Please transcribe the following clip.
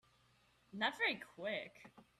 Not very Quick